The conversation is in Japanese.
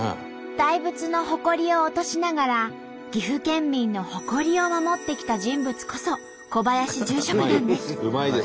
大仏のホコリを落としながら岐阜県民の誇りを守ってきた人物こそ小林住職なんです。